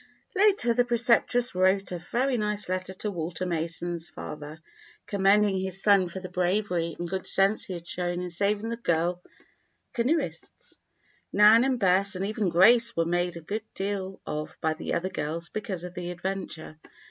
Later the preceptress wrote a very nice letter to Walter Mason's father, commending his son for the bravery and good sense he had shown in saving the girl canoeists. Nan, and Bess, and even Grace, were made a good deal of by the other girls because of the adventure.